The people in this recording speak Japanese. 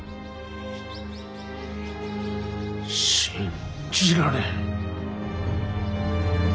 信じられん。